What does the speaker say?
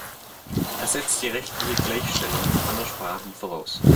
Er setzt die rechtliche Gleichstellung aller Sprachen voraus.